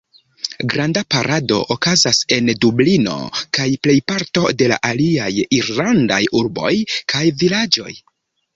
Granda parado okazas en Dublino kaj plejparto de aliaj Irlandaj urboj kaj vilaĝoj.